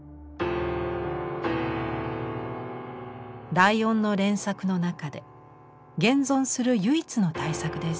ライオンの連作の中で現存する唯一の大作です。